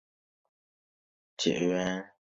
崇祯三年庚午科河南乡试解元。